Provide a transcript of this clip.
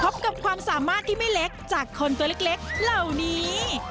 พบกับความสามารถที่ไม่เล็กจากคนตัวเล็กเหล่านี้